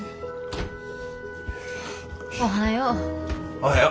おはよう。